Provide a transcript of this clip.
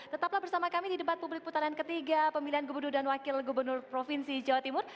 tetaplah bersama kami di debat publik putaran ketiga pemilihan gubernur dan wakil gubernur provinsi jawa timur